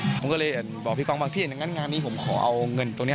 ผมก็เลยบอกพี่กองว่าพี่อย่างนั้นงานนี้ผมขอเอาเงินตรงนี้